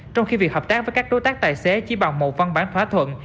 trong khi việc hợp tác với các đối tác tài xế chỉ bằng một văn bản thỏa thuận